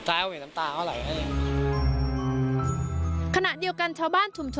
ตอนนั้นตบสนุนมั้ย